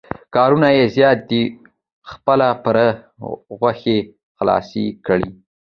کارونه یې زیات دي، ده خپله برخه غوښې خلاصې کړې.